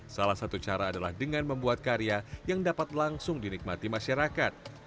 salah satu cara adalah dengan membuat karya yang dapat langsung dinikmati masyarakat